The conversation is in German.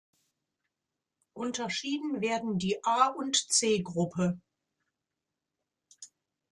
Unterschieden werden die A- und C-Gruppe.